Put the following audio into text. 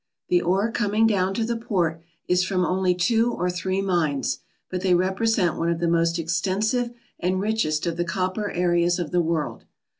The ore coming down to the port is from only two or three mines, but they represent one of the most extensive and richest of the copper areas of the world.